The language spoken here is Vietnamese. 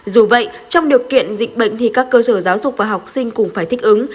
dù vậy trong điều kiện dịch bệnh thì các cơ sở giáo dục và học sinh cùng phải thích ứng